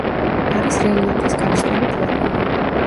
არის რელიეფის კარსტული ფორმები.